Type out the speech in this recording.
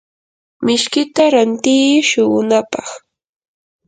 mishkita rantiiy shuqunapaq.